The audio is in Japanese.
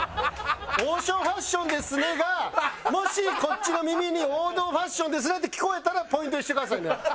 「王将ファッションですね」がもしこっちの耳に「王道ファッションですね」って聞こえたらポイントにしてくださいね？